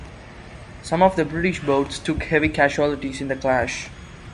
Some of the British boats took heavy casualties in the clash.